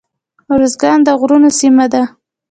ارزګان د غرونو سیمه ده